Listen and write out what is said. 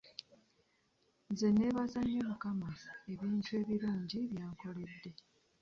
Nze nebaza nnyo mukama ebintu ebirungi byankolede.